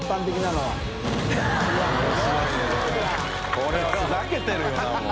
海譴ふざけてるよなもう。